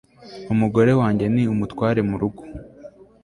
umugore wanjye ni umutware murugo